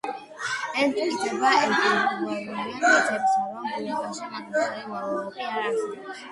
ეს მტკიცება ექვივალენტურია მტკიცებისა, რომ ბუნებაში მაგნიტური მონოპოლი არ არსებობს.